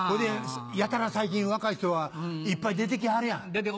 やたら最近若い人はいっぱい出てきはるやん。